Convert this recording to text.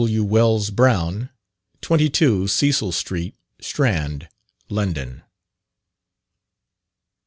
W. WELLS BROWN. 22, CECIL STREET, STRAND, LONDON.